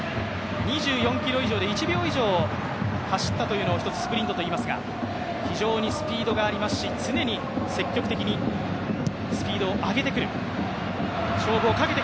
２４ｋｍ以上で１秒以上走ったというのを１つスプリントといいますが非常にスピードがありますし常に積極的にスピードを上げてくる。